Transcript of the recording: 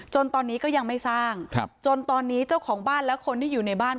จนตอนนี้ก็ยังไม่สร้างจนตอนนี้เจ้าของบ้านและคนที่อยู่ในบ้าน